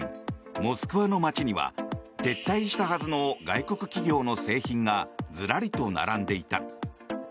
モスクワの街には撤退したはずの外国企業の製品がずらりと並んでいた。